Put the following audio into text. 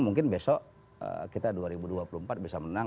mungkin besok kita dua ribu dua puluh empat bisa menang